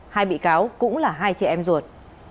hai bị cáo cũng là hai chị em ruột